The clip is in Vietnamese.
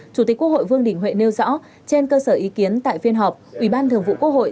chủ tịch quốc hội vương đình huệ nêu rõ trên cơ sở ý kiến tại phiên họp ủy ban thường vụ quốc hội